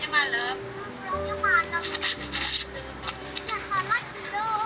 ya sama dulu